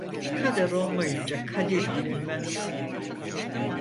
Kader olmayınca kadir bilinmez.